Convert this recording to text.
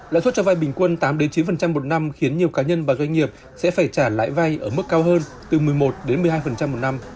lãi suất cho vay bình quân tám chín một năm khiến nhiều cá nhân và doanh nghiệp sẽ phải trả lãi vay ở mức cao hơn từ một mươi một một mươi hai một năm